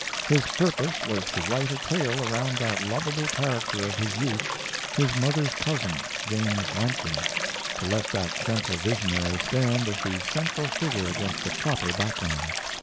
His purpose was to write a tale around that lovable character of his youth, his mother's cousin, James Lampton to let that gentle visionary stand as the central figure against a proper background.